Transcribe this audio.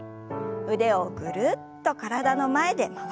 腕をぐるっと体の前で回しましょう。